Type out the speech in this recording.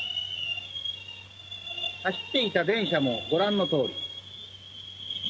走っていた電車もご覧のとおり。